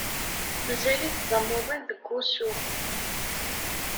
Mazal-it d amuḍin deg wusu.